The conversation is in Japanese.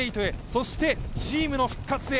そしてチームの復活へ。